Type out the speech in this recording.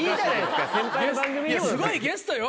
すごいゲストよ。